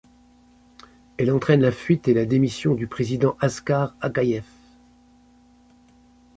Elle entraîne la fuite et la démission du président Askar Akaïev.